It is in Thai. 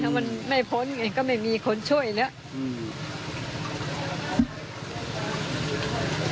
ถ้ามันไม่พ้นไงก็ไม่มีคนช่วยแล้ว